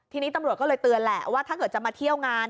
ทีนี้ตำรวจก็เลยเตือนแหละว่าถ้าเกิดจะมาเที่ยวงาน